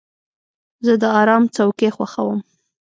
زه د آرام څوکۍ خوښوم.